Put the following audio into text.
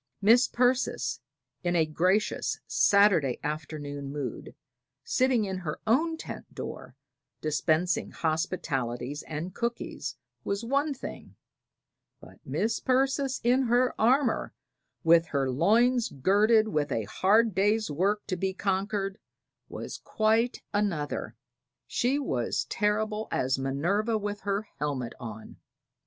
Mis' Persis, in a gracious Saturday afternoon mood, sitting in her own tent door dispensing hospitalities and cookies, was one thing; but Mis' Persis in her armor, with her loins girded and a hard day's work to be conquered, was quite another: she was terrible as Minerva with her helmet on.